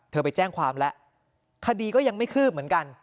ไปแจ้งความแล้วคดีก็ยังไม่คืบเหมือนกัน